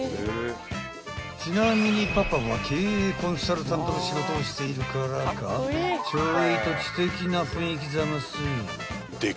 ［ちなみにパパは経営コンサルタントの仕事をしているからかちょいと］